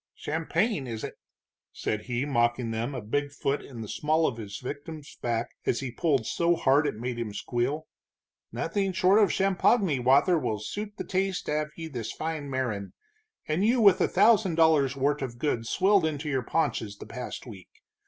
"Champagne, is it?" said he, mocking them, a big foot in the small of the victim's back as he pulled so hard it made him squeal. "Nothing short of champoggany wather will suit the taste av ye this fine marin', and you with a thousand dollars' wort' of goods swilled into your paunches the past week!